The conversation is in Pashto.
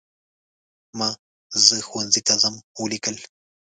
ما "زه ښوونځي ته ځم" ولیکل.